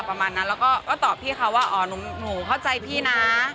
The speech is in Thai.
ประมาณนั้นแล้วก็ตอบพี่เขาว่าอ๋อหนูเข้าใจพี่นะ